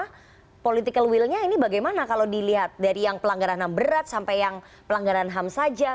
karena political willnya ini bagaimana kalau dilihat dari yang pelanggaran ham berat sampai yang pelanggaran ham saja